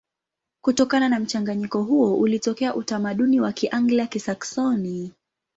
Kutokana na mchanganyiko huo ulitokea utamaduni wa Kianglia-Kisaksoni.